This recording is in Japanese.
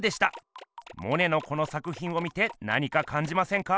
モネのこの作ひんを見て何かかんじませんか？